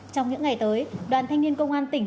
trong những ngày tới đoàn thanh niên công an tỉnh